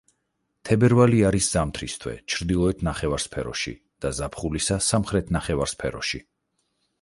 თებერვალი არის ზამთრის თვე ჩრდილოეთ ნახევარსფეროში და ზაფხულისა სამხრეთ ნახევარსფეროში.